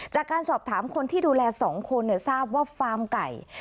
จากการสอบถามคนที่ดูแล๒คนทราบว่าฟาร์มไก่